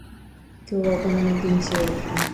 今日はお好み焼きにしよう。